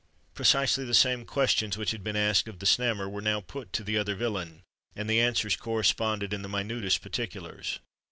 Precisely the same questions which had been asked of the Snammer, were now put to the other villain; and the answers corresponded in the minutest particulars.